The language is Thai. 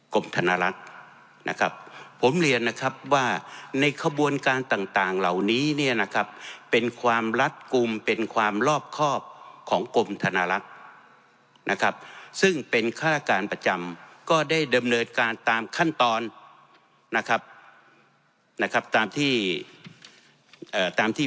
ธนลักษณ์นะครับผมเรียนนะครับว่าในขบวนการต่างต่างเหล่านี้เนี่ยนะครับเป็นความรัดกลุ่มเป็นความรอบครอบของกรมธนลักษณ์นะครับซึ่งเป็นฆาตการประจำก็ได้ดำเนินการตามขั้นตอนนะครับนะครับตามที่เอ่อตามที่